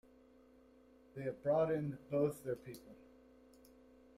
They have brought in both their people.